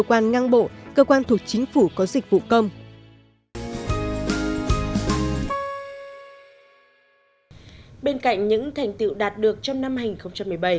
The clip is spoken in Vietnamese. quan ngang bộ cơ quan thuộc chính phủ có dịch vụ công bên cạnh những thành tựu đạt được trong năm